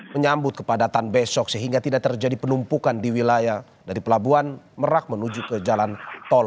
menyambut kepadatan besok sehingga tidak terjadi penumpukan di wilayah dari pelabuhan merak menuju ke jalan tol